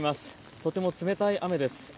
とても冷たい雨です。